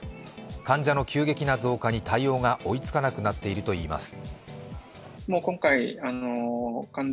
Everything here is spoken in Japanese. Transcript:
患者の急激な増加に対応が追いつかなくなっているといいます。